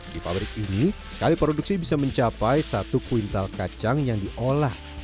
di pabrik ini sekali produksi bisa mencapai satu kuintal kacang yang diolah